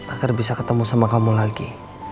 agar bisa ketemu sama kamu lagi